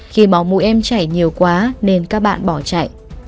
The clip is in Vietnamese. khi máu mũi em chảy nhiều quá nên các bạn bỏ chạy